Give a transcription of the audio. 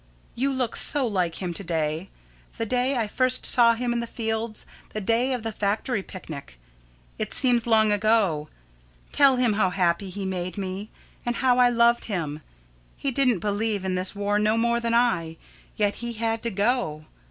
You look so like him to day the day I first saw him in the fields, the day of the factory picnic. It seems long ago. Tell him how happy he made me, and how I loved him. He didn't believe in this war no more than I, yet he had to go.